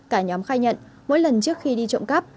cả nhóm khai nhận mỗi lần trước khi đi trộm cắp